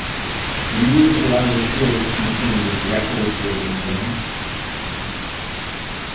The move would allow the show to continue its record breaking run.